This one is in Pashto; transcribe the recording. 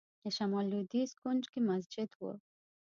د شمال لوېدیځ کونج کې مسجد و.